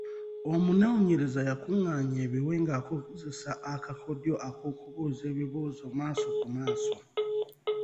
Omunoonyereza yakungaanya ebiwe ng'akozesa akakodyo k'okubuuza ebibuuzo maaso ku maaso.